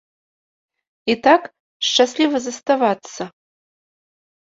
І так, шчасліва заставацца.